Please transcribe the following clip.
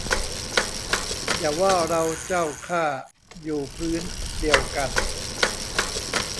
อย่าว่าเราเจ้าข้า อยู่พื้น เดียวกัน